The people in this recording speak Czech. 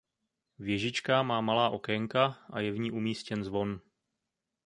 Věžička má malá okénka a je v ní umístěn zvon.